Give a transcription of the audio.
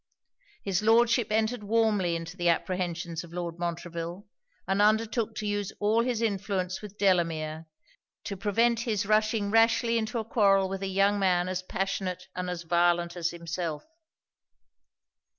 His Lordship entered warmly into the apprehensions of Lord Montreville; and undertook to use all his influence with Delamere to prevent his running rashly into a quarrel with a young man as passionate and as violent as himself.